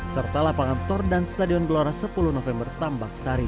serta lapangan tor dan stadion gelora sepuluh november tambak sari